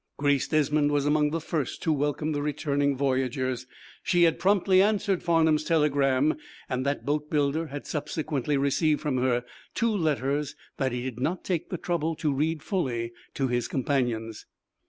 Grace Desmond was among the first to welcome the returning voyagers. She had promptly answered Farnum's telegram, and that boatbuilder had subsequently received from her two letters that he did not take the trouble to read fully to his companions.